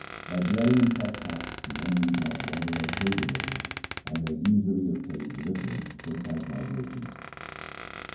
By dwelling in such huts men need not wander on pilgrimages, and may easily obtain deliverance from transmigration.'